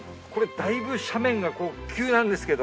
だいぶ斜面がこう急なんですけど。